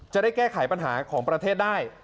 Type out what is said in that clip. จะได้แก้ไขปัญหาของประเทศได้